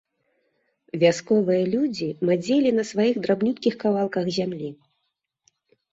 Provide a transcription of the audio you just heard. Вясковыя людзі мадзелі на сваіх драбнюткіх кавалках зямлі.